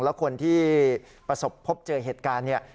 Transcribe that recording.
แล้วคนที่ประสบพบเจอเหตุการณ์เนี่ย